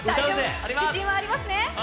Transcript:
自信はありますね。